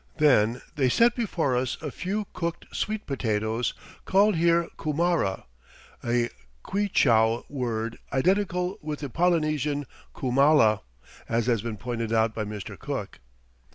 Then they set before us a few cooked sweet potatoes, called here cumara, a Quichua word identical with the Polynesian kumala, as has been pointed out by Mr. Cook.